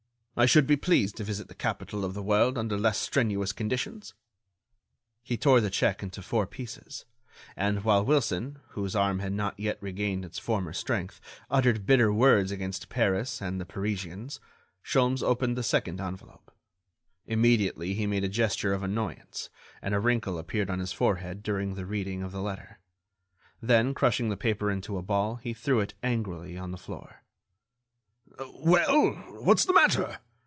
I should be pleased to visit the capital of the world under less strenuous conditions." He tore the check into four pieces and, while Wilson, whose arm had not yet regained its former strength, uttered bitter words against Paris and the Parisians, Sholmes opened the second envelope. Immediately, he made a gesture of annoyance, and a wrinkle appeared on his forehead during the reading of the letter; then, crushing the paper into a ball, he threw it, angrily, on the floor. "Well? What's the matter?"